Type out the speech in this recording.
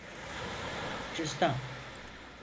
Cüzdan…